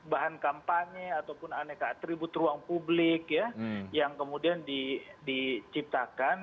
bahan kampanye ataupun aneka atribut ruang publik ya yang kemudian diciptakan